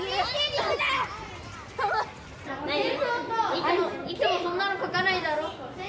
いつもいつもそんなの書かないだろ。